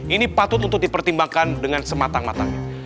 ini patut untuk dipertimbangkan dengan sematang matanya